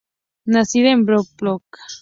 Nacida en Blackpool.